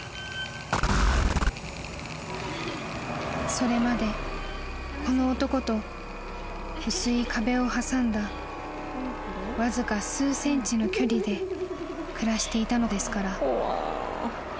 ［それまでこの男と薄い壁を挟んだわずか数ｃｍの距離で暮らしていたのですから］